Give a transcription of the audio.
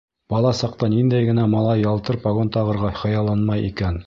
Бала саҡта ниндәй генә малай ялтыр погон тағырға хыялланмай икән?!